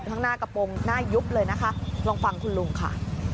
ข้างหน้ากระโปรงหน้ายุบเลยนะคะลองฟังคุณลุงค่ะ